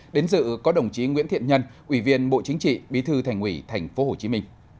đến dự có đồng chí nguyễn thiện nhân ủy viên bộ chính trị bí thư thành ủy tp hcm